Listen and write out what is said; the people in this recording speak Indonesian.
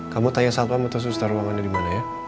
kamu tanya salpamu terus ustar ruang andin dimana ya